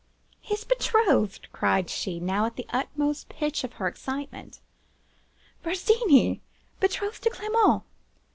"'His betrothed!' cried she, now at the utmost pitch of her excitement. 'Virginie betrothed to Clement?